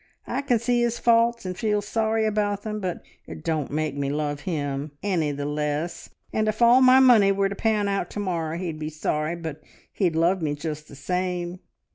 I can see his faults and feel sorry about them, but it don't make me love him any the less; and if all my money were to pan out to morrow he'd be sorry, but he'd love me just the same.